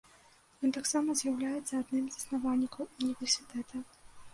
Ён таксама з'яўляецца адным з заснавальнікаў універсітэта.